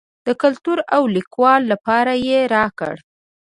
د کتلو او لیکلو لپاره یې راکړه.